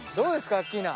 アッキーナ